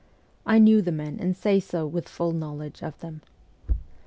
I knew the men and say so with full knowledge of them.